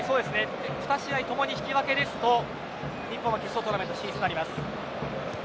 ２試合共に引き分けですと日本は決勝トーナメントへ進出となります。